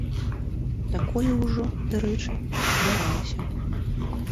Такое ўжо, дарэчы, здаралася.